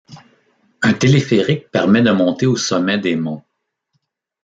Un téléphérique permet de monter aux sommets des monts.